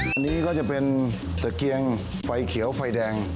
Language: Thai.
อันนี้ก็จะเป็นตะเกียงไฟเขียวไฟแดง